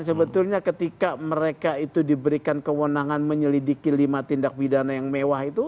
sebetulnya ketika mereka itu diberikan kewenangan menyelidiki lima tindak pidana yang mewah itu